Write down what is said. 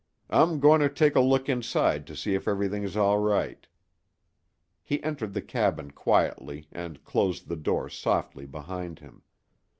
I'm going to take a look inside to see if everything is all right." He entered the cabin quietly and closed the door softly behind him.